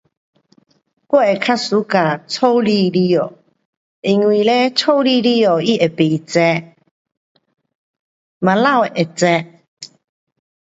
我会较 suka 家里里下，因为嘞家里立下，它会不热，外头会热。